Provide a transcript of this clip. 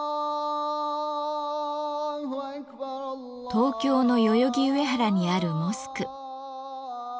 東京の代々木上原にあるモスク。